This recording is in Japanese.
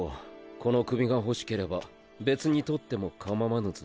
この首が欲しければべつに獲っても構わぬぞ。